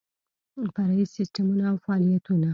فرعي سیسټمونه او فعالیتونه